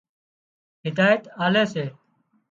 هدايت آلي سي